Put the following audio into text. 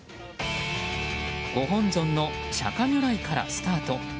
ご本尊の釈迦如来からスタート。